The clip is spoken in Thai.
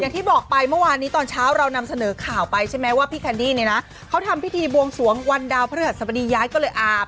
อย่างที่บอกไปเมื่อวานนี้ตอนเช้าเรานำเสนอข่าวไปใช่ไหมว่าพี่แคนดี้เนี่ยนะเขาทำพิธีบวงสวงวันดาวพระฤหัสบดีย้ายก็เลยอาบ